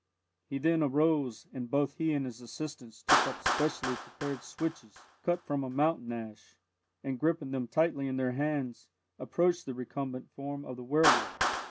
He then arose, and both he and his assistants took up specially prepared switches, cut from a mountain ash, and gripping them tightly in their hands, approached the recumbent form of the werwolf.